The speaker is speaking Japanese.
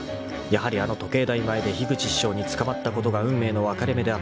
［やはりあの時計台前で樋口師匠に捕まったことが運命の分かれ目であったろう］